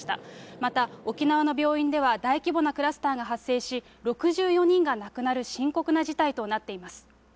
また、沖縄の病院では大規模なクラスターが発生し、６４人が亡くなる深刻な事態となっています。